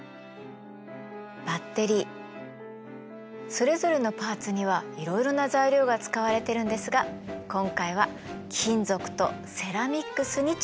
それぞれのパーツにはいろいろな材料が使われてるんですが今回は金属とセラミックスに注目です。